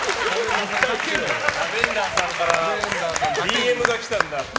ラベンダーさんからＤＭが来たんだ。